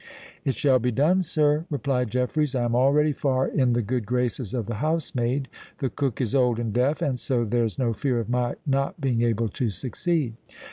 "It shall be done, sir," replied Jeffreys. "I am already far in the good graces of the housemaid; the cook is old and deaf; and so there's no fear of my not being able to succeed."